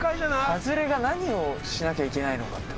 ハズレが何をしなきゃいけないのかって。